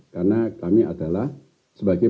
karena kami adalah sebagai